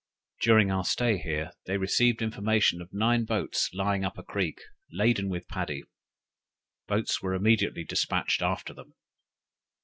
During our stay here, they received information of nine boats lying up a creek, laden with paddy; boats were immediately despatched after them.